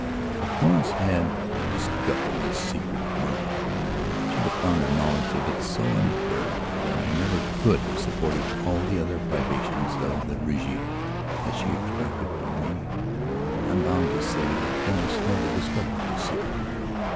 If Florence had discovered this secret of mine I should have found her knowledge of it so unbearable that I never could have supported all the other privations of the régime that she extracted from me. I am bound to say that Florence never discovered this secret.